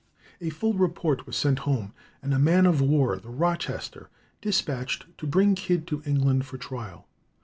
A full report was sent home, and a man of war, the Rochester, despatched to bring Kidd to England for trial.